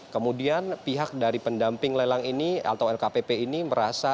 kemudian pihak dari pendamping lelang ini atau lkpp ini merasa